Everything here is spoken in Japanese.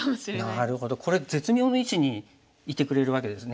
なるほどこれ絶妙な位置にいてくれるわけですね